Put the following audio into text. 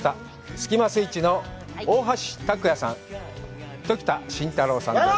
スキマスイッチの大橋卓弥さん、常田真太郎さんです。